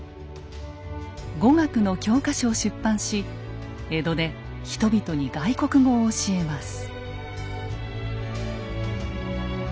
語学の教科書を出版し江戸で人々に外国語を教えます。